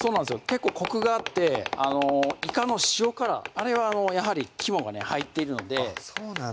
結構コクがあっていかの塩辛あれはやはり肝が入っているのでそうなんだ